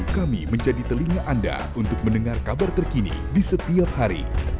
kami menjadi telinga anda untuk mendengar kabar terkini di setiap hari